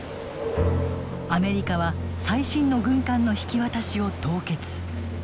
アメリカは最新の軍艦の引き渡しを凍結。